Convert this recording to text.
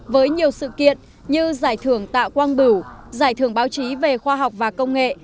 với nhiều sự kiện như giải thưởng tạ quang bửu giải thưởng báo chí về khoa học và công nghệ